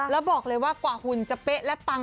แล้วบอกเลยว่ากว่าหุ่นจะเป๊ะและปัง